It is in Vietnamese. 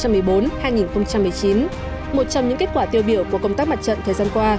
một trong những kết quả tiêu biểu của công tác mặt trận thời gian qua